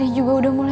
dede juga udah mulai